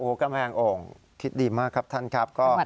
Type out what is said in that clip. โอ้กำแหงองค์คิดดีมากครับท่านครับ